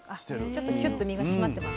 ちょっとキュッと身が締まってますか？